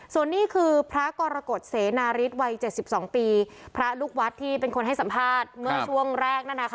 ส่วนนี้คือพระกรกฎเสนาริสวัย๗๒ปีพระลูกวัดที่เป็นคนให้สัมภาษณ์เมื่อช่วงแรกนั่นนะคะ